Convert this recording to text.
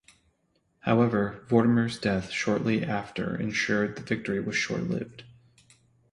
However, Vortimer's death shortly after ensured the victory was short-lived.